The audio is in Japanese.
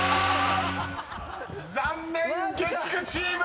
［残念月９チーム！